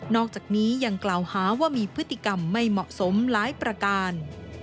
อกจากนี้ยังกล่าวหาว่ามีพฤติกรรมไม่เหมาะสมหลายประการ